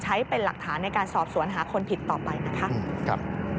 ใช้เป็นหลักฐานในการสอบสวนหาคนผิดต่อไปนะคะ